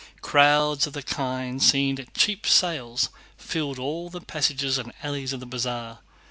Crowds of the kind seen at cheap sales filled all the passages and alleys of the Bazaar.